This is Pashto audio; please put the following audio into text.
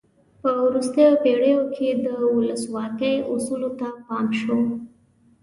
په وروستیو پیړیو کې د ولسواکۍ اصولو ته پام شو.